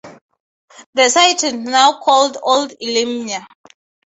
That site is now called Old Iliamna.